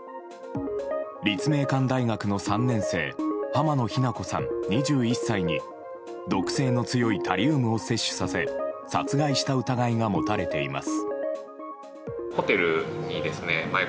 立命館大学の３年生浜野日菜子さん、２１歳に毒性の強いタリウムを摂取させ殺害した疑いが持たれています。